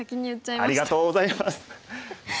ありがとうございます。